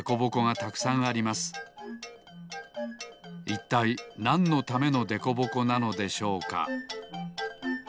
いったいなんのためのでこぼこなのでしょうか？